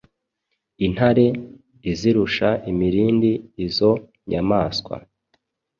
intare izirusha imirindi izo nyamaswa